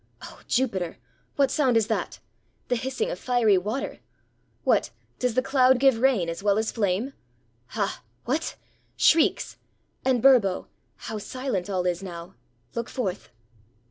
Oh, Jupiter! what sound is that? — the hissing of fiery water ! What ! does the cloud give rain as well as flame ! Ha! — what! shrieks? And, Burbo, how silent all is now! Look forth!"